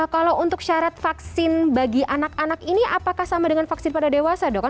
kalau untuk syarat vaksin bagi anak anak ini apakah sama dengan vaksin pada dewasa dok